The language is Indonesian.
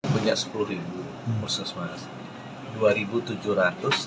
punya sepuluh khusus mas